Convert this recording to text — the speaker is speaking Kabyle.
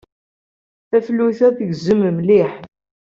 Tafrut-a tgezzem mliḥ.